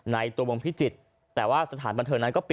ในตัวมองพิจิตย์